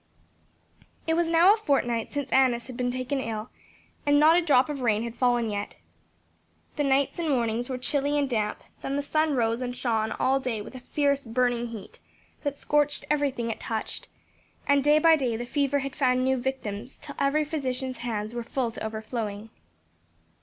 It was now a fortnight since Annis had been taken ill and not a drop of rain had fallen yet. The nights and mornings were chilly and damp, then the sun rose and shone all day with a fierce, burning heat that scorched everything it touched; and day by day the fever had found new victims till every physician's hands were full to overflowing.